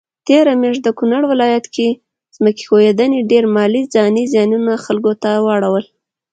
تيره مياشت د کونړ ولايت کي ځمکي ښویدني ډير مالي ځانی زيانونه خلکوته واړول